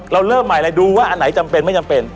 เริ่มใหม่เลยดูว่าอันไหนจำเป็นไม่จำเป็น